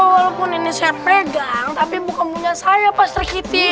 walaupun ini saya pegang tapi bukan punya saya pasti